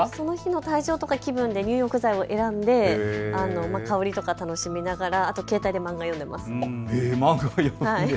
体調とか気分で入浴剤を選んで香りとか楽しみながらあと、携帯で漫画を読んでいます。